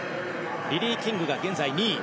リリー・キングが現在２位。